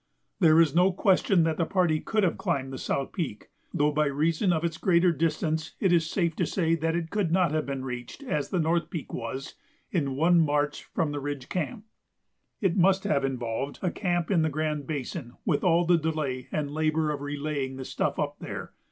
There is no question that the party could have climbed the South Peak, though by reason of its greater distance it is safe to say that it could not have been reached, as the North Peak was, in one march from the ridge camp. It must have involved a camp in the Grand Basin with all the delay and the labor of relaying the stuff up there.